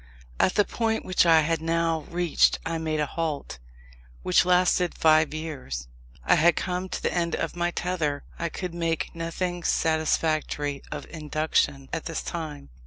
At the point which I had now reached I made a halt, which lasted five years. I had come to the end of my tether; I could make nothing satisfactory of Induction, at this time.